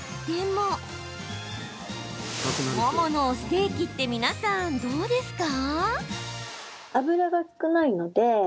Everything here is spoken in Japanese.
もものステーキって皆さん、どうですか？